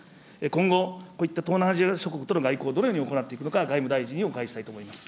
今後、こういった東南アジア諸国との外交、どのように行っていくのか、外務大臣にお伺いしたいと思います。